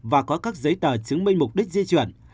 và có các giấy tờ chứng minh mục đích di chuyển